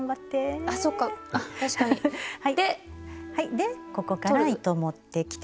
でここから糸持ってきて。